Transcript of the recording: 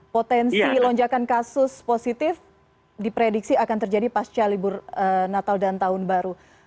potensi lonjakan kasus positif diprediksi akan terjadi pasca libur natal dan tahun baru